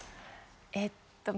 えっと